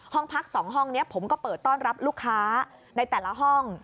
ห้องพัก๒ห้องนี้ผมก็เปิดต้อนรับลูกค้าในแต่ละห้อง